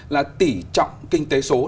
là tỉ trọng kinh tế số